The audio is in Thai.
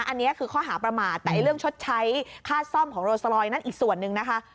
อันนี้คือข้อหาประมาทแต่เรื่องชดใช้ค่าซ่อมของโรสลอยนั่นอีกส่วนหนึ่งนะคะ